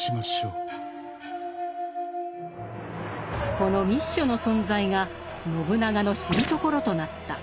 この密書の存在が信長の知るところとなった。